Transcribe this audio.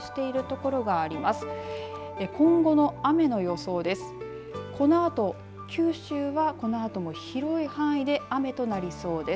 このあと、九州はこのあとも広い範囲で雨となりそうです。